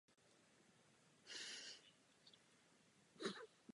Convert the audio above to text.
Ploutve jsou jasně červené.